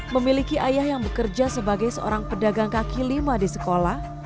memiliki ayah yang bekerja sebagai seorang pedagang kaki lima di sekolah